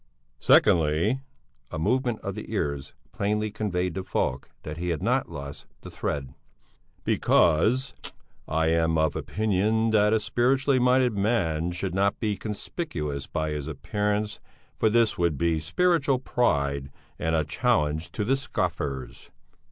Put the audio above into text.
"... secondly (a movement of the ears plainly conveyed to Falk that he had not lost the thread), because I am of opinion that a spiritually minded man should not be conspicuous by his appearance for this would be spiritual pride and a challenge to the scoffers."